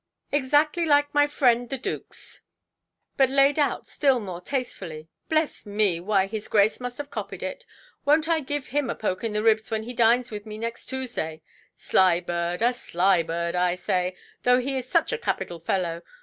Exactly like my friend the Dookʼs, but laid out still more tastefully. Bless me, why, his Grace must have copied it! Wonʼt I give him a poke in the ribs when he dines with me next Toosday! Sly bird, a sly bird, I say, though he is such a capital fellow.